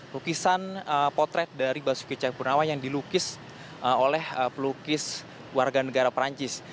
lukisan potret dari basuki cahayapurnama yang dilukis oleh pelukis warga negara perancis